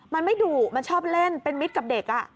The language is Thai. มันไม่ดุมันชอบเล่นเป็นมิตรกับเด็ก